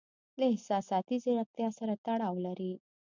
له احساساتي زیرکتیا سره تړاو لري.